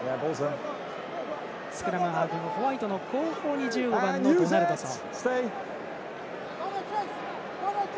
スクラムハーフのホワイトの後方に１５番、ドナルドソン。